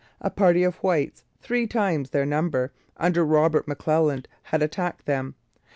A party of whites, three times their number, under Robert McClelland, had attacked them.